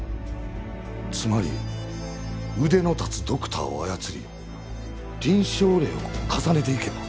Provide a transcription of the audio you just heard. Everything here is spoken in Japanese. つまり腕の立つドクターを操り臨床例を重ねていけば。